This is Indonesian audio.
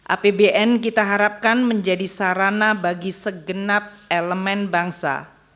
apbn kita harapkan menjadi sarana bagi segenap elemen bangsa